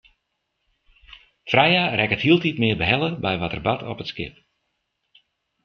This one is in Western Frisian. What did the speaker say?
Freya rekket hieltyd mear behelle by wat der bart op it skip.